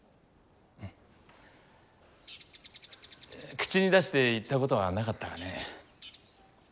口に出して言ったことはなかったがね